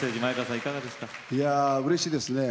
いやうれしいですね。